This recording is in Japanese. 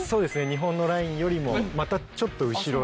日本のラインよりもまたちょっと後ろで。